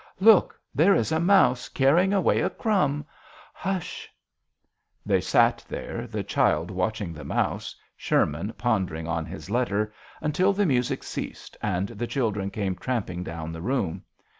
" Look, there is a mouse carry ing away a crumb. Hush !" They sat there, the child watching the mouse, Sherman pondering on his letter, until the music ceased and the children came tramping down the room.